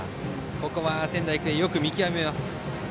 ここは仙台育英、よく見極めます。